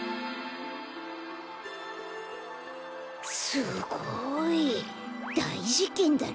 すごい。だいじけんだね。